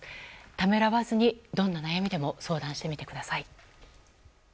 ためらわずに、どんな悩みでも相談してみてください。